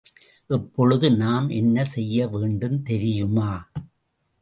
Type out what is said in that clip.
இப்பொழுது நாம் என்ன செய்ய வேண்டும் தெரியுமா?